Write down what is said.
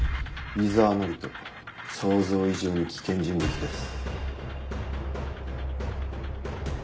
井沢範人想像以上に危険人物です。